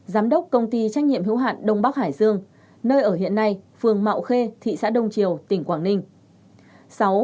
giám đốc công ty trách nhiệm hữu hạn đông bắc hải dương nơi ở hiện nay phường mạo khê thị xã đông triều tỉnh quảng ninh